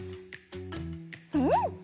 うん！